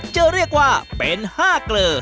จะเรียกว่าเป็น๕เกลอ